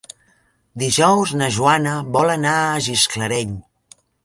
Dijous na Joana vol anar a Gisclareny.